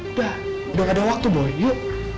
udah udah nggak ada waktu boy yuk